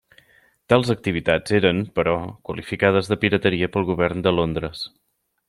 Tals activitats eren, però, qualificades de pirateria pel govern de Londres.